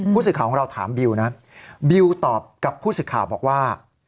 ผู้สื่อข่าวของเราถามบิวนะบิวตอบกับผู้สื่อข่าวบอกว่า